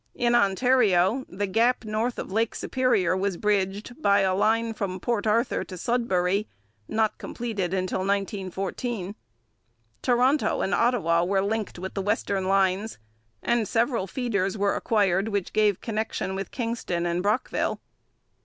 In Ontario the gap north of Lake Superior was bridged by a line from Port Arthur to Sudbury, not completed until 1914. Toronto and Ottawa were linked with the western lines, and several feeders were acquired which gave connection with Kingston and Brockville.